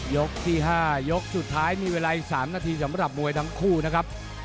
ยกที่๕ยกสุดท้ายมีเวลาอีก๓นาทีสำหรับมวยทั้งคู่นะครับ